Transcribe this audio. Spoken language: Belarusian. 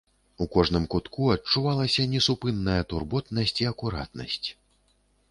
У кожным кутку адчувалася несупынная турботнасць і акуратнасць.